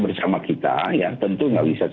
bersama kita tentu nggak bisa